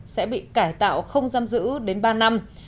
sẽ bị cải tạo không giam giữ đến ba năm